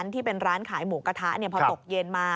ที่เป็นร้านขายหมูกระทะพอตกเย็นมา